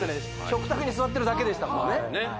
食卓に座ってるだけでしたもんね